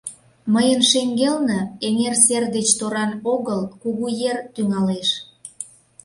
Мыйын шеҥгелне, эҥер сер деч торан огыл, Кугу ер тӱҥалеш.